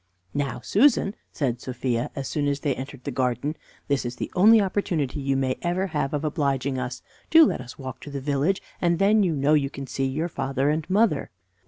"Now, Susan," said Sophia, as soon as they entered the garden, "this is the only opportunity you may ever have of obliging us. Do let us walk to the village, and then you know you can see your father and mother."